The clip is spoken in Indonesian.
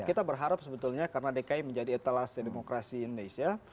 kita berharap sebetulnya karena dki menjadi etalase demokrasi indonesia